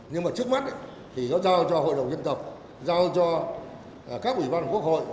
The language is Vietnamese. nhưng mà trước mắt thì nó giao cho hội đồng dân tộc giao cho các ủy ban quốc hội